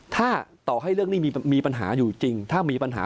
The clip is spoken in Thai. ถ้าต่อให้เรื่องนี้มีปัญหาอยู่จริงถ้ามีปัญหา